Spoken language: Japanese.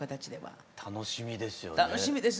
楽しみですね。